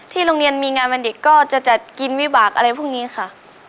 โรงเรียนมีงานวันเด็กก็จะจัดกินวิบากอะไรพวกนี้ค่ะ